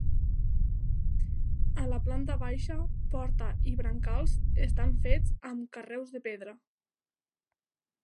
A la planta baixa, porta i brancals estan fets amb carreus de pedra.